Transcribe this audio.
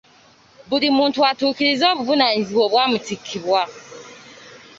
Buli muntu atuukirize obuvunaanyizibwa obwamutikkibwa.